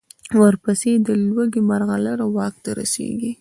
ورپسې د لوګي مرغلره واک ته رسېږي.